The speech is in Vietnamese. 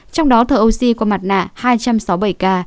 trong đó thở oxy qua mặt nạ hai trăm sáu mươi bảy k